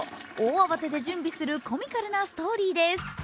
大慌てで準備する、コミカルなストーリーです。